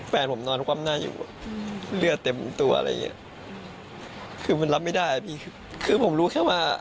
แต่ผมไม่คิดว่าเขาจะมะลงกับลูก